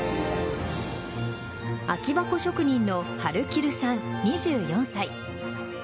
空箱職人のはるきるさん２４歳。